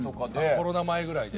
コロナ前ぐらいで？